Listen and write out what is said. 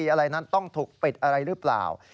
อะไรนั้นต้องถูกปิดอะไรหรือเปล่า